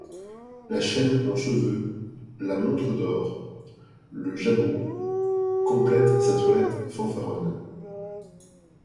La chaîne en cheveux, la montre d’or, le jabot complètent sa toilette fanfaronne.